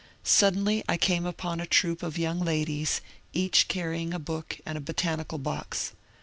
Suddenly I came upon a troop of young ladies, each carrying a book and a botanical box.